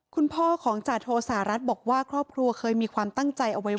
คุณพ่อของจาโทสหรัฐบอกว่าครอบครัวเคยมีความตั้งใจเอาไว้ว่า